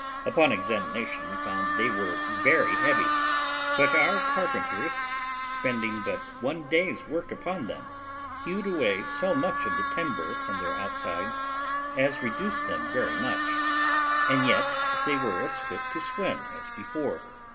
Upon examination we found that they were very heavy; but our carpenters, spending but one day's work upon them, hewed away so much of the timber from their outsides as reduced them very much, and yet they were as fit to swim as before.